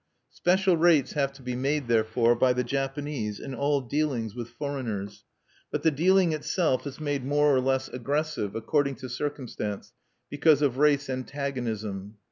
Special rates have to be made, therefore, by the Japanese in all dealings with foreigners. But the dealing itself is made more or less aggressive, according to circumstance, because of race antagonism.